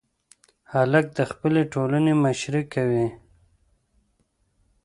هلک د خپلې ټولنې مشري کوي.